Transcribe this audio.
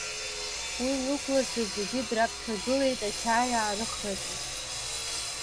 Уи лықәлацәа зегьы драԥхьагылеит ачаи аарыхраҿы.